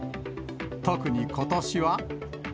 特にことしは。